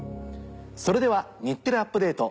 それでは『日テレアップＤａｔｅ！』